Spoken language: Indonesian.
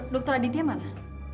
dokter aditya mana